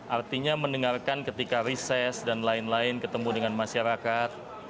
artinya mendengarkan ketika riset dan lain lain ketemu dengan masyarakat